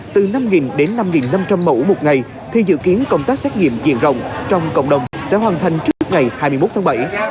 từ năm đến năm năm trăm linh mẫu một ngày thì dự kiến công tác xét nghiệm diện rộng trong cộng đồng sẽ hoàn thành trước ngày hai mươi một tháng bảy